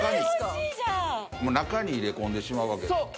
もう中に入れ込んでしまうわけですね？